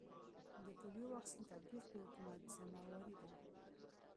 د پولیو واکسین تطبیق د حکومت ذمه واري ده